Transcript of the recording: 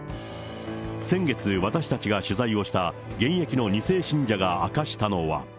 先月、私たちが取材をした現役の２世信者が明かしたのは。